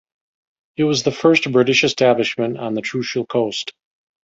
It was the first British establishment on the Trucial Coast.